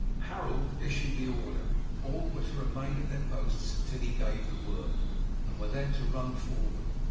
Harold issued the order. All were to remain at their posts until he gave the word, and were then to run forward.